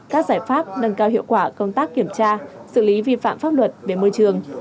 các giải pháp nâng cao hiệu quả công tác kiểm tra xử lý vi phạm pháp luật về môi trường